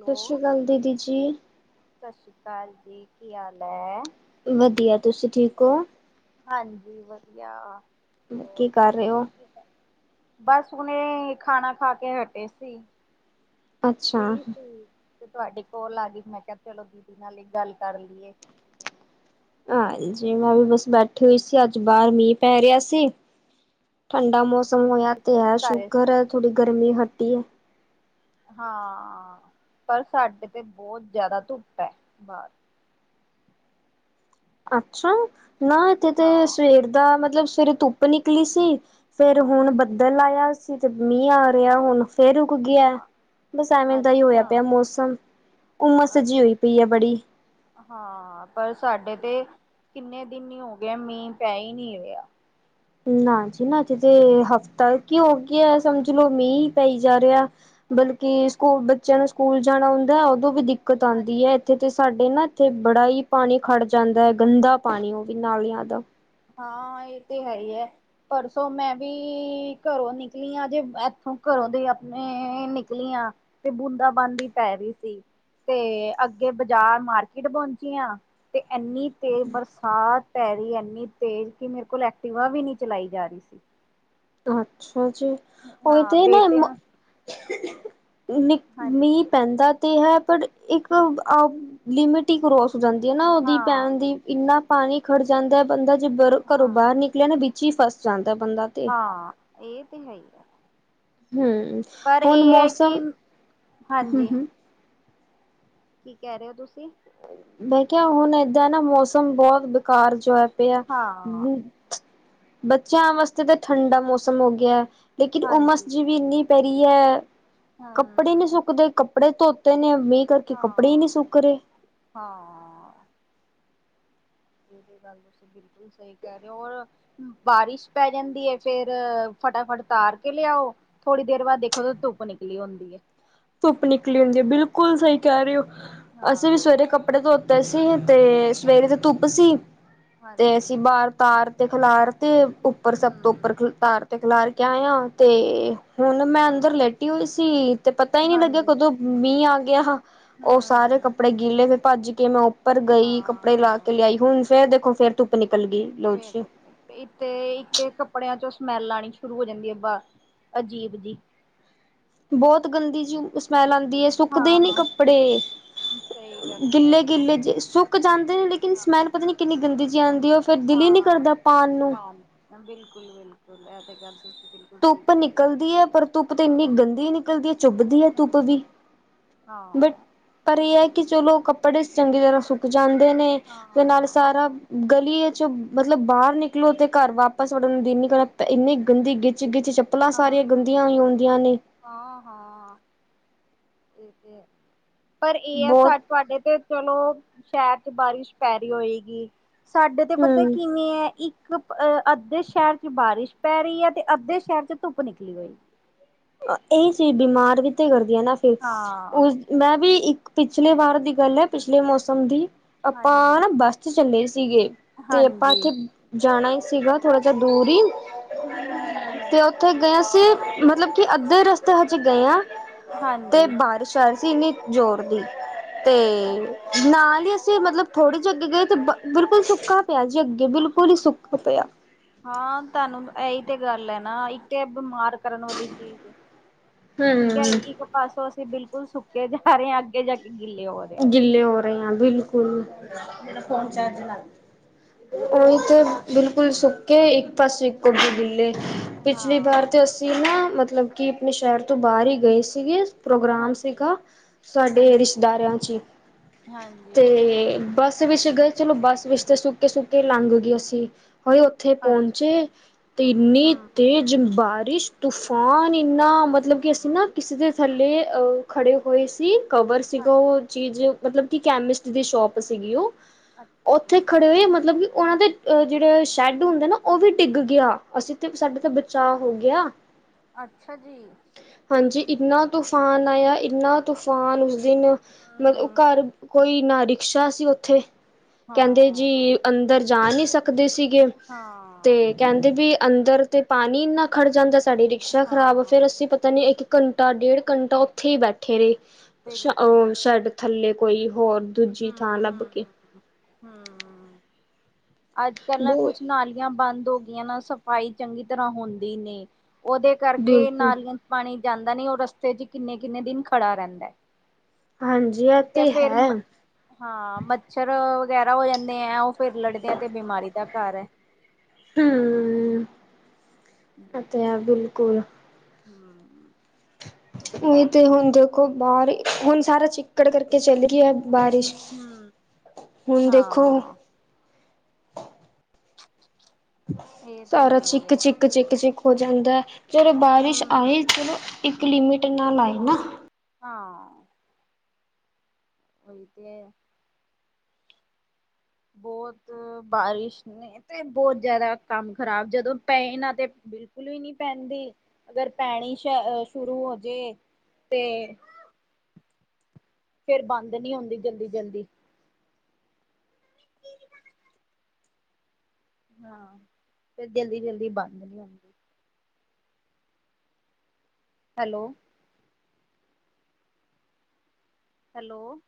ਸਤਿ ਸ਼੍ਰੀ ਅਕਾਲ ਦੀਦੀ ਜੀ ਸਤਿ ਸ਼੍ਰੀ ਅਕਾਲ ਜੀ ਕੀ ਹਾਲ ਹੈ। ਵਧੀਆ ਤੁਸੀਂ ਠੀਕ ਹੋ ਹਾਂਜੀ ਵਧੀਆ ਕੀ ਹੋਰ ਕਰ ਰਹੇ ਹੋ ਬਸ ਹੁਨੇ ਖਾਣਾ ਖਾ ਕੇ ਹਟੇ ਸੀ ਅੱਛਾ, ਫ੍ਰੀ ਸੀ ਤੇ ਤੁਹਾਡੀ ਕੋਲ ਆ ਗਈ, ਮੈਂ ਕਿਹਾ ਚਲੋ ਦੀਦੀ ਨਾਲ ਹੀ ਗੱਲ ਕਰ ਲਈਏ ਹਾਂਜੀ ਮੈਂ ਵੀ ਬਸ ਬੈਠੀ ਹੋਈ ਸੀ, ਅੱਜ ਬਾਹਰ ਮੀਂਹ ਪੈ ਰਿਹਾ ਸੀ ਠੰਡਾ ਮੌਸਮ ਹੋਇਆ ਤੇ ਤੁਸੀਂ ਕੀ ਹੈ। ਕਰ ਰਹੇ ਸ਼ੂਕਰ ਸੀ ਹੈ। ਥੋੜੀ ਗਰਮੀ ਹਟੀ ਹੈ। ਹਾਂ ਪਰ ਸਾਡੇ ਤੇ ਬੋਤ ਜ਼ਿਆਦਾ ਧੁੱਪ ਹੈ। ਬਾਹਰ ਅੱਛਾ, ਨਾ ਇੱਥੇ ਤੇ ਹਾਂ ਸਵੇਰ ਦਾ ਮਤਲਬ ਸਵੇਰੇ ਧੁੱਪ ਨਿਕਲੀ ਸੀ ਫੇਰ ਹੁਣ ਹਮ ਬੱਦਲ ਆਇਆ ਸੀ, ਤੇ ਮੀਂਹ ਆ ਰੇਹਾ ਹੁਣ ਫੇਰ ਰੁਕ ਗਿਆ, ਬਸ ਐਵੇਂ ਦਾ ਹੀ ਹੋਇਆ ਅੱਛਾ ਪਿਆ ਮੌਸਮ ਉਮਸ ਜੀ ਅੱਛਾ ਹੋਈ ਪਈ ਹੈ। ਬੜੀ ਹਾਂ ਪਰ ਸਾਡੇ ਤੇ ਕਿੰਨੇ ਦਿਨ ਹੀ ਹੋ ਗਏ, ਮੀਂਹ ਪੈ ਹੀ ਨਈ ਰਿਹਾ ਨਾ ਜੀ ਨਾ ਹਜੇ ਤੇ ਹਫ਼ਤਾ ਕੀ ਹੋ ਗਿਆ, ਸਮਝ ਲੋਓ ਮੀਂਹ ਹੀ ਪਈ ਜਾ ਰਿਹਾ ਬਲਕਿ, ਸਕੂਲ ਬੱਚਿਆਂ ਨੂੰ ਸਕੂਲ ਜਾਣਾ ਹੁੰਦਾ, ਉਦੋਂ ਵੀ ਦਿੱਕਤ ਆਂਦੀ ਹਾਂਜੀ ਹੈ। ਇੱਥੇ ਤੇ ਸਾਡੇ ਨਾ, ਇੱਥੇ ਬੜਾ ਹੀ ਪਾਣੀ ਖੜ ਜਾਂਦਾ ਹੈ। ਗੰਦਾ ਪਾਣੀ ਉਹ ਵੀ ਨਾਲੀਆਂ ਦਾ ਹਾਂ ਇਹ ਤੇ ਹੈ ਈ ਐਹ ਪਰਸੋਂ ਮੈਂ ਵੀ, ਘਰੋਂ ਨਿਕਲੀ ਹਾਂ ਜੇ ਇੱਥੋਂ ਘਰੋਂ ਦੇ ਆਪਣੇ ਨਿਕਲੀ ਹਾ ਤੇ ਬੂੰਦਾ ਬਾਂਦੀ ਪੈ ਰਈ ਸੀ। ਤੇ, ਅੱਗੇ ਬਾਜ਼ਾਰ ਮਾਰਕੀਟ ਪੋਂਚੀ ਆਂ ਤੇ ਏਨੀ ਤੇ ਬਰਸਾਤ ਪੈ ਰਹੀ ਐੰਨੀ ਤੇਜ਼ ਕਿ ਮੇਰੇ ਕੋਲ ਐਕਟੀਵਾ ਵੀ ਨਈ ਚਲਾਈ ਜਾ ਰਹੀ ਸੀ। ਅੱਛਾ ਜੀ, ਹੁਣ ਹਾਂ ਤੇ ਨਾ ਬੇਟੇ ਨੂੰ ਹਾਂ ਮੀ ਪੈਂਦਾ ਤੇ ਹੈ। ਪਰ ਇੱਕ ਲਿਮਿਟ ਈ ਕਰੋਸ ਜਾਂਦੀ ਹੈ। ਨਾ ਉਹਦੀ ਹਾਂ ਪੈਣ ਦੀ ਇੰਨਾ ਪਾਣੀ ਖੜ ਜਾਂਦਾ ਬੰਦਾ ਜੇ ਬਰ ਘਰੋਂ ਬਾਰ ਹਾਂ ਨਿਕਲਿਆ ਨਾ ਵਿੱਚ ਹੀ ਫੱਸ ਜਾਂਦਾ ਹੈ। ਬੰਦਾ ਤੇ ਹਾਂ ਇਹ ਤੇ ਹੈਹੀ ਆ, ਹਮ ਪਰ ਹੁਣ ਇਹ ਹੈ ਕਿ ਮੌਸਮ ਹਾਂਜੀ ਕੀ ਕਹਿ ਰਹੇ ਹੋ ਤੁਸੀਂ ਮੈਂ ਕਿਆ ਹੁਣ ਏਦਾਂ ਨਾ ਮੌਸਮ ਬਹੁਤ ਬੇਕਾਰ ਜਿਹਾ ਹੋਇਆ ਪਇਆ ਹਾਂ ਬੱਚਿਆਂ ਵਾਸਤੇ ਤਾਂ ਠੰਡਾ ਮੌਸਮ ਹੋ ਗਿਆ, ਲੇਕਿਨ ਹੁਮਸ ਹਾਂਜੀ ਜੀ ਵੀ ਇੰਨੀ ਕਰੀ ਹੈ। ਕੱਪੜੇ ਹਮ ਨੀ ਸੁੱਕਦੇ ਕੱਪੜੇ ਧੋਤੇ ਨੇ ਮੀਂ ਕਰਕੇ ਕੱਪੜੇ ਹੀ ਹਾਂ ਨਈ ਸੁਕ ਰਹੇ ਹਾਂ ਇਹ ਤੇ ਗੱਲ ਤੁਸੀਂ ਬਿਲਕੁਲ ਸਹੀ ਕਹਿ ਰਹੇ ਹੋ ਓਰ ਬਾਰਿਸ਼ ਪੈ ਜਾਂਦੀ ਹੈ। ਫੇਰ ਫਟਾਫਟ ਉਤਾਰ ਕੇ ਲਿਆਓ ਥੋੜ੍ਹੀ ਦੇਰ ਬਾਅਦ ਦੇਖੋ ਧੁਪ ਨਿਕਲੀ ਹੁੰਦੀ ਹੈ ਧੁੱਪ ਨਿਕਲੀ ਹੁੰਦੀ ਹੈ ਬਿਲਕੁਲ ਸਹੀ ਕਹਿ ਰਹੇ ਹੋ ਅਸੀਂ ਵੀ ਹਾਂ ਸਵੇਰੇ ਕੱਪ ਕੱਪੜੇ ਧੋਤੇ ਸੀ ਤੇ ਸਵੇਰੇ ਤੇ ਅੱਛਾ ਧੁੱਪ ਸੀ ਤੇ ਹਾਂਜੀ ਅਸੀਂ ਬਾਹਰ ਤਾਰ ਤੇ ਖਿਲਾਰ ਤੇ ਉੱਪਰ ਸਭ ਤੋਂ ਹੂੰ ਉੱਪਰ ਤਾਰ ਤੇ ਖਿਲਾਰ ਕੇ ਆਏ ਆ ਤੇ ਹੁਣ ਮੈਂ ਅੰਦਰ ਹੂੰ ਲੈਟੀ ਹੋਈ ਸੀ ਤੇ ਪਤਾ ਹੀ ਨਹੀਂ ਲੱਗਿਆ ਹਾਂਜੀ ਕਦੋਂ ਮੀਂਹ ਆ ਗਿਆ ਉਹ ਸਾਰੇ ਹੂੰ ਕੱਪੜੇ ਗਿੱਲੇ ਫਿਰ ਭੱਜ ਕੇ ਮੈਂ ਉੱਪਰ ਗਈ ਕੱਪੜੇ ਲਾ ਹਾਂ ਕੇ ਲਿਆਈ ਹੁਣ ਫੇਰ ਦੇਖੋ ਫੇਰ ਧੁੱਪ ਨਿਕਲ ਗਈ ਲੋ ਫਰ ਜੀ ਤੇ ਇਥੇ ਇਥੇ ਕੱਪੜਿਆਂ ਚੋਂ ਸਮੈਲ ਆਉਣੀ ਸ਼ੁਰੂ ਹੋ ਜਾਂਦੀ ਹੈ ਬਾਹਰ ਅਜੀਬ ਜੀ ਬਹੁਤ ਗੰਦੀ ਜੀ ਸਮੈਲ ਆਉਂਦੀ ਹੈ ਸੁੱਕਦੇ ਨੀ ਹਾਂ ਕੱਪੜੇ ਸਹੀ ਗੱਲ ਕਹਿ ਗਿੱਲੇ ਰਹੇ ਹੋ ਗਿੱਲੇ ਜੇ ਸੁੱਕ ਜਾਂਦੇ ਨੇ ਲੇਕਿਨ ਸਮੈਲ ਪਤਾ ਨੀ ਕਿੰਨੀ ਗੰਦੀ ਜੀ ਆਉਂਦੀ ਉਹ ਫੇਰ ਦਿਲ ਹੀ ਨੀ ਹਾਂ ਕਰਦਾ ਪਾਉਣ ਨੂੰ ਹਾਂ, ਬਿਲਕੁਲ ਬਿਲਕੁਲ ਐ ਤੇ ਗੱਲ ਤੁਸੀਂ ਬਿਲੁਲ ਧੁੱਪ ਨਿਕਲਦੀ ਹੈ ਪਰ ਧੁੱਪ ਤੇ ਇੰਨੀ ਗੰਦੀ ਨਿਕਲਦੀ ਹੈ ਚੁੱਭਦੀ ਹੈ ਧੁੱਪ ਹੂੰ, ਵੀ ਬਟ ਹਾਂ-ਹਾਂ, ਪਰ ਇਹ ਹੈ ਕਿ ਚਲੋ ਕੱਪੜੇ ਚੰਗੀ ਤਰ੍ਹਾਂ ਸੁੱਕ ਜਾਂਦੇ ਨੇ ਤੇ ਨਾਲੇ ਹਾਂ, ਸਾਰਾ ਗਲੀਏ ਚ ਮਤਲਬ ਬਾਹਰ ਨਿਕਲੋ ਤੇ ਘਰ ਵਾਪਸ ਵੜਨ ਨੂੰ ਦਿਨ ਨੀ ਕਰਦਾ ਇੰਨੀ ਗੰਦੀ ਗਿੱਤ ਚਿੱਗੀ ਚ ਚੱਪਲਾਂ ਸਾਰੀਆਂ ਗੰਦੀਆਂ ਹੀ ਹੁੰਦੀਆਂ ਨੇ ਹਾਂ ਹਾਂ ਠੀਕ ਏ ਪਰ ਇਹ ਆ ਸਾ ਬਹੁਤ ਤੁਹਾਡੇ ਤੇ ਚਲੋ ਸ਼ਹਿਰ ਚ ਬਾਰਿਸ਼ ਪੈ ਰਹੀ ਹੋਏਗੀ ਸਾਡੇ ਤੇ ਪਤਾ ਹਮ ਕਿੰਨੀ ਏ ਇੱਕ ਇੱਕ ਅਹ ਅੱਧੇ ਸ਼ਹਿਰ ਚ ਬਾਰਿਸ਼ ਪੈ ਰਹੀ ਹੈ ਤੇ ਅੱਧੇ ਸ਼ਹਿਰ ਚ ਧੁੱਪ ਨਿਕਲੀ ਹੋਈ ਇਹ ਚੀਜ਼ ਬੀਮਾਰ ਵੀ ਤੇ ਕਰਦੀ ਹੈ ਨਾ ਫਿਰ ਹਾਂ, ਉਸ ਮੈਂ ਵੀ ਇੱਕ ਪਿਛਲੇ ਵਾਰ ਦੀ ਗੱਲ ਹੈ ਪਿਛਲੇ ਮੌਸਮ ਦੀ ਆਪਾਂ ਹਾਂਜੀ। ਬਸ ਚ ਚੱਲੇ ਸੀਗੇ ਤੇ ਆਪਾਂ ਹਾਂਜੀ, ਇੱਥੇ ਜਾਣਾ ਹੀ ਸੀਗਾ ਥੋੜਾ ਜਿਹਾ ਦੂਰ ਹੀ ਹਮ ਹਮ ਹਮ ਤੇ ਉੱਥੇ ਗਏ ਸੀ ਮਤਲਬ ਕਿ ਅੱਧੇ ਰਸਤੇ ਹਾਂਜੀ ਗਏ ਆ ਤੇ ਹਾਂਜੀ। ਬਾਰਿਸ਼ ਆ ਰਹੀ ਸੀ ਇੰਨੀ ਜ਼ੋਰ ਦੀ ਤੇ ਅੱਛਾ, ਨਾਲ ਹੀ ਅਸੀਂ ਮਤਲਬ ਥੋੜ੍ਹੇ ਜਿਹੇ ਅੱਗੇ ਗਏ ਤੇ ਬਿਲਕੁਲ ਸੁੱਕਾ ਪਿਆ ਜੀ ਅੱਗੇ ਬਿਲਕੁਲ ਹੀ ਹਾਂ। ਸੁੱਕਾ ਪਿਆ ਹਾਂ ਤੁਹਾਨੂੰ ਇਹੀ ਤੇ ਗੱਲ ਹੈ ਨਾ ਇੱਕ ਤੇ ਇਹ ਬਿਮਾਰ ਕਰਨ ਵਾਲੀ ਚੀਜ਼ ਏ ਠੀਕ ਹੈ ਹੂੰ ਇੱਕ ਪਾਸੋਂ ਅਸੀਂ ਬਿਲਕੁਲ ਸੁੱਕੇ ਜਾ ਰਹੇ ਹਾਂ ਅੱਗੇ ਜਾ ਕੇ ਗਿੱਲੇ ਹੋ ਰਹੇ ਹਾਂ। ਗਿੱਲੇ ਹੋ ਰਹੇ ਆ ਬਿਲਕੁਲ ਫੋਨ ਚਾਰਜ ਲਾ ਉਹੀ ਤੇ ਬਿਲਕੁਲ ਸੁ ਕੇ ਇੱਕ ਪਾਸੇ ਇੱਕ ਅੱਗੇ ਹਾਂ ਗਿੱਲੇ ਪਿਛਲੀ ਵਾਰ ਤੇ ਹਾਂ ਅ ਤੇ ਨਾ ਮਤਲਬ ਕਿ ਆਪਣੇ ਸ਼ਹਿਰ ਤੋਂ ਬਾਹਰ ਹੀ ਗਏ ਸੀਗੇ। ਪ੍ਰੋਗਰਾਮ ਹਾਂਜੀ ਸੀਗਾ ਹੂੰ ਸਾਡੇ ਹੂੰ ਰਿਸ਼ਤੇਦਾਰਾਂ ਹਾਂਜੀ ਤੇ ਬੱਸ ਵਿੱਚ ਗਏ। ਚਲੋ ਬਸ ਵਿੱਚ ਤੇ ਸੁੱਕੇ- ਸੁੱਕੇ ਲੰਗਗੇ ਅਸੀਂ, ਹੋਹੀ। ਉੱਥੇ ਅੱਛ ਪਹੁੰਚੇ ਤੇ ਇੰਨੀ ਹੂੰ ਤੇਜ਼ ਬਾਰਿਸ਼, ਤੂਫਾਨ ਇੰਨਾ ਮਤਲਬ ਕਿ ਅਸੀਂ ਨਾ ਕਿਸੇ ਦੇ ਥੱਲੇ ਅ ਖੜੇ ਹੋਏ ਸੀ। ਕਵਰ ਸੀਗਾ ਉਹ ਚੀਜ਼ ਮਤਲਬ ਕਿ ਕੈਮਿਸਟ ਦੀ ਸ਼ੋਪ ਸੀਗੀ ਉਹ। ਅੱਛਾ ਜੀ ਉੱਥੇ ਖੜੇ ਹੋਏ ਮਤਲਬ ਕਿ ਉਹਨਾਂ ਦੇ, ਜਿਹੜੇ ਸ਼ੈਡ ਹੁੰਦੇ ਨਾ ਉਹ ਵੀ ਡਿੱਗ ਗਿਆ, ਅਸੀਂ ਤੇ ਸਾਡੇ ਤੇ ਬਚਾਅ ਹੋ ਗਿਆ। ਅੱਛਾ ਜੀ। ਹਾਂਜੀ ਇੰਨਾ ਤੂਫਾਨ ਆਇਆ ਇੰਨਾ ਤੂਫਾਨ ਉਸ ਦਿਨ। ਮਤਲਬ ਹੂੰ ਘਰ ਕੋਈ ਨਾ ਰਿਕਸ਼ਾ ਸੀ ਉੱਥੇ, ਕਹਿੰਦੇ ਹਾਂ ਜੀ ਅੰਦਰ ਜਾ ਨਹੀਂ ਸਕਦੇ ਸੀਗੇ ਹਾਂ ਤੇ ਕਹਿੰਦੇ ਵੀ ਅੰਦਰ ਤੇ ਪਾਣੀ ਇਨਾ ਖੜ ਜਾਂਦਾ ਸਾਡੀ ਰਿਕਸ਼ਾ ਖਰਾਬ ਹਾਂ ਫੇਰ ਅਸੀਂ ਪਤਾ ਨੀ ਇੱਕ ਘੰਟਾ, ਡੇਢ ਘੰਟਾ ਉੱਥੇ ਹੀ ਬੈਠੇ ਰਹੇ ਬਿਲਕੁਲ ਸ਼ਾਇਡ ਥੱਲੇ ਕੋਈ ਹੋਰ। ਦੂਜੀ ਹੂੰ ਥਾਂ ਲੱਭ ਕੇ। ਹੂੰ ਹੂੰ ਅੱਜ ਕੱਲ ਨਾ ਬਹੁ ਕੁਛ ਨਾਲੀਆਂ ਬੰਦ ਹੋ- ਨਾ ਸਫ਼ਾਈ ਚੰਗੀ ਤਰਾਂ ਹੁੰਦੀ ਨੀ ਉਹਦੇ ਕਰਕੇ ਬਿਲਕੁਲ ਨਾਲੀਆਂ, ਪਾਣੀ ਜਾਂਦਾ ਨੀ ਉਹ ਰਸਤੇ ਚ ਕਿੰਨੇ- ਕਿੰਨੇ ਦਿਨ ਖੜਾ ਰਹਿੰਦਾ। ਹਾਂਜੀ ਇਹ ਠੀਕ ਹੈ, ਤੇ ਫੇਰ ਮ ਹਾਂ ਮੱਛਰ ਵਗੈਰਾ ਹੋ ਜਾਂਦੇ ਆ, ਉਹ ਫੇਰ ਲੜਦੇ ਆ ਤੇ ਬਿਮਾਰੀ ਦਾ ਘਰ ਹੈ। ਹੂੰ ਐ ਤੇ ਆ ਬਿਲਕੁਲ। ਹੂੰ। ਉ ਤੇ ਹੁਣ ਦੇਖੋ ਬਾਹਰ ਹੁਣ ਸਾਰਾ ਚਿੱਕੜ ਕਰਕੇ ਚੱਲ ਗਿਆ ਬਾਰਿਸ਼। ਹੂੰ, ਹੁਣ ਦੇਖੋ ਹਾਂ। ਇਹ ਤੇ ਸਾਰਾ ਹੈ ਹੀ ਹੈ ਚਿੱਕ-ਚਿੱਕ, ਚਿੱਕ ਹੋ ਜਾਂਦਾ ਹੈ ਜਦੋਂ ਬਾਰਿਸ਼ ਹਮ ਆਈ ਚਲੋ ਇੱਕ ਲਿਮਿਟ ਨਾਲ ਲਾਏ ਨਾ। ਹਾਂ। ਉਹੀ ਤੇ। ਬਹੁਤ ਬਾਰਿਸ਼ ਨੇ, ਤੇ ਬਹੁਤ ਜਿਆਦਾ ਕੰਮ ਖ਼ਰਾਬ ਜਦੋਂ ਪਏ ਨਾ ਤੇ ਬਿਲਕੁਲ ਵੀ ਨੀ ਪੈਂਦੀ। ਅਗਰ ਪੈਣੀ ਸ਼ ਸ਼ੁਰੂ ਹੋਜੇ ਤੇ ਫੇਰ ਬੰਦ ਨਹੀਂ ਹੁੰਦੀ ਜਲਦੀ- ਜਲਦੀ। ਹਾਂ ਫੇਰ ਜਲਦੀ- ਜਲਦੀ ਬੰਦ ਨੀ ਹਉਦੀ। ਹੈਲੋ। ਹੈਲੋ।